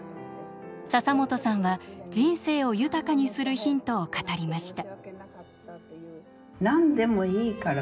笹本さんは人生を豊かにするヒントを語りました。